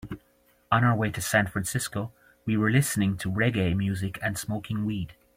On our way to San Francisco, we were listening to reggae music and smoking weed.